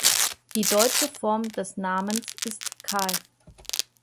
Die deutsche Form des Namens ist Karl.